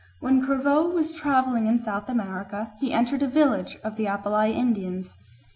When Crevaux was travelling in South America he entered a village of the Apalai Indians.